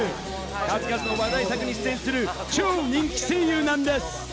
数々の話題作に出演する、超人気声優なんです。